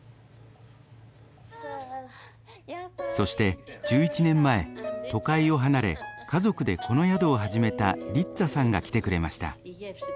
そして１１年前都会を離れ家族でこの宿を始めたリッツァさんが来てくれました。